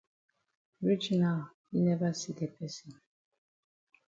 Reach now yi never see the person.